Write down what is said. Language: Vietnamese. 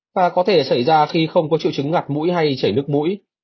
và có thể xảy ra khi không có triệu chứng ngặt mũi hay chảy nước mũi